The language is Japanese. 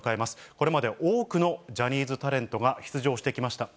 これまで多くのジャニーズタレントが出場してきました。